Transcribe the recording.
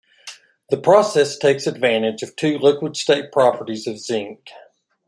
The process takes advantage of two liquid-state properties of zinc.